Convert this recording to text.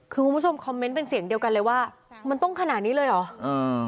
คือคุณผู้ชมคอมเมนต์เป็นเสียงเดียวกันเลยว่ามันต้องขนาดนี้เลยเหรออ่า